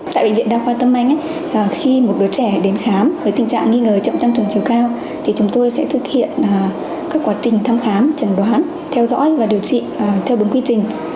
tại bệnh viện đa khoa tâm anh khi một đứa trẻ đến khám với tình trạng nghi ngờ chậm tăng trưởng chiều cao thì chúng tôi sẽ thực hiện các quá trình thăm khám trần đoán theo dõi và điều trị theo đúng quy trình